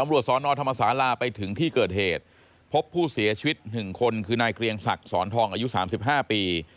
ตำรวจสอนอธมาศาลาไปถึงที่เกิดเหตุพบผู้เสียชีวิต๑คนคือนายเกรียงศักดิ์สอนทองอายุ๓๕ปี